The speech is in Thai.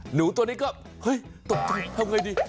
หนูตัวนี้ก็เฮ้ยตกใจทำไงดี